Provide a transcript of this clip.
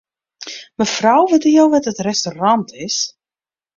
Mefrou, witte jo wêr't it restaurant is?